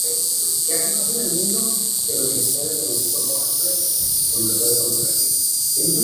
Se clasifica como clase A Tall Ship por la Sail Training Internacional Asociación.